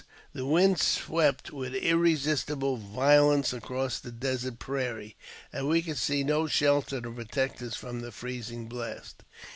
The winds swept with irresistible violence across the desert prairie, and we could see no shelter to protect us from the freezing blast.